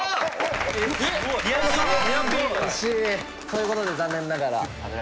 ということで残念ながら。